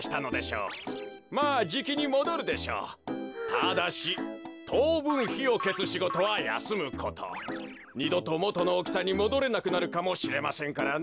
ただしとうぶんひをけすしごとはやすむこと。にどともとのおおきさにもどれなくなるかもしれませんからね。